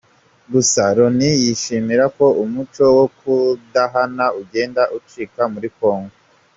Gusa Loni yishimira ko umuco wo kudahana ugenda ucika muri Congo.